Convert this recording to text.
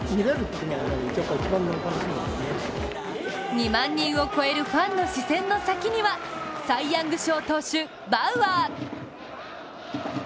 ２万人を超えるファンの視線の先にはサイ・ヤング賞投手、バウアー。